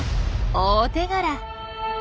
大手柄！